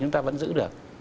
chúng ta vẫn giữ được